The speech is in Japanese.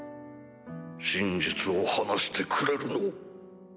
真実を話してくれるのを。